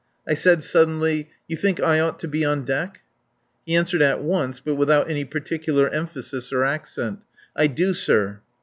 I said suddenly: "You think I ought to be on deck?" He answered at once but without any particular emphasis or accent: "I do, sir."